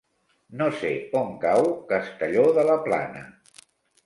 No sé on cau Castelló de la Plana.